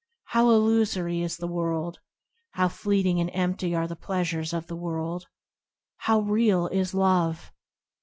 How illusory is the world! How fleeting and empty are the pleasures of the world ! How real is Love!